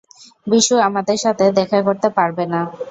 বিশু আমাদের সাথে দেখা করতে পারবে না।